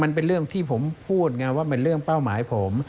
มันเป็นเรื่องที่ผมพูดไงว่าเป็นเรื่องเป้าหมายผม